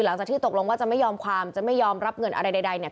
หลังจากที่ตกลงว่าจะไม่ยอมความจะไม่ยอมรับเงินอะไรใดเนี่ย